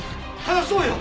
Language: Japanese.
話そうよ！